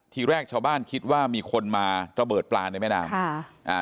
ทีแรกชาวบ้านคิดว่ามีคนมาระเบิดปลาในแม่น้ำค่ะอ่า